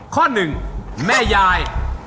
ข้อหนึ่งแม่ยาย